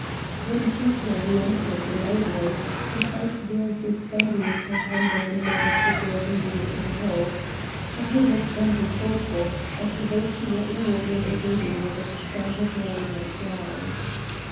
When Sinclair reëntered the library, he found Dorothy standing with her hand on the knob of the door leading into the hall. Her head was bent and thoughtful, as though she were inwardly debating whether to stand her ground or fly.